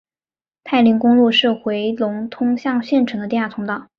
太临公路是回龙通向县城的第二通道。